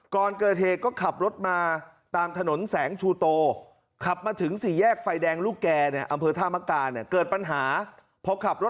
ก่อนเกิดเหตุก็ขับรถมาตามถนนแสงชูโตขับมาถึงสี่แยกไฟแดงลูกแก่เนี่ยอำเภอธามกาเนี่ยเกิดปัญหาพอขับรถ